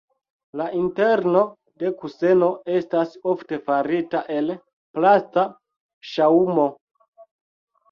La interno de kuseno estas ofte farita el plasta ŝaŭmo.